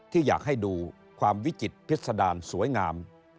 ที่อยากให้ดูความวิจิตพิษดารสวยงาม